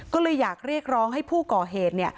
ก็เลยอยากเรียกร้องให้ผู้ก่อเหตุ